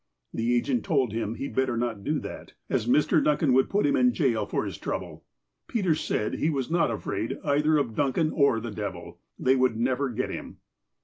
The agent told him he better not do that, as Mr. Duncan would put him in jail for his trouble. Peter said he was not afraid either of Duncan or the devil. They would never get him.